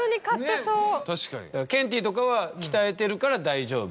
ケンティーとかは鍛えてるから大丈夫？